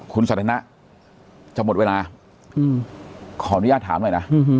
คุณสันทนะจะหมดเวลาขออนุญาตถามหน่อยนะ